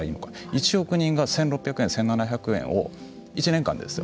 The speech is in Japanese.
１億人が１６００円、１７００円を１年間ですよ。